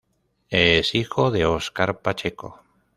Es hijo de Óscar Pacheco.